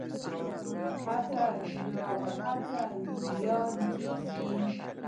هڅه ضایع کیږي؟